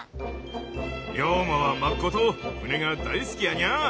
龍馬はまっこと船が大好きやにゃ。